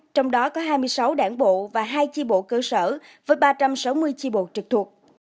trong đó có hai mươi sáu đảng bộ và hai chi bộ cơ sở với ba trăm sáu mươi chi bộ trực thuộc